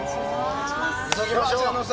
急ぎましょう。